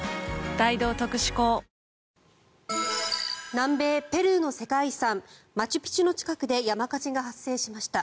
南米ペルーの世界遺産マチュピチュの近くで山火事が発生しました。